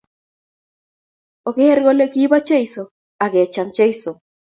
oker kole kipo cheso ak kechame cheso